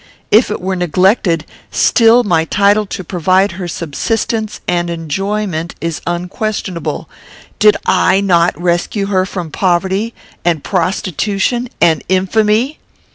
If it were neglected, still my title to provide her subsistence and enjoyment is unquestionable. "Did I not rescue her from poverty, and prostitution, and infamy?